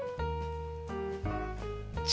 「父」。